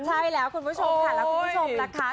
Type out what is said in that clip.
ใช่แล้วคุณผู้ชมค่ะและคุณผู้ชมนะคะ